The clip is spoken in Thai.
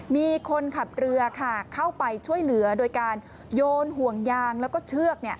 มีคนขับเรือค่ะเข้าไปช่วยเหลือโดยการโยนห่วงยางแล้วก็เชือก